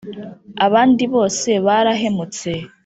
abandi bose barahemutse;